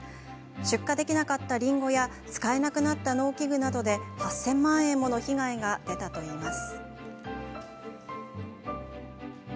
出荷できなかったりんごや使えなくなった農機具などで８０００万円もの被害が出たといいます。